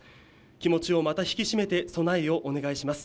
気持ちをまた引き締めて備えをお願いします。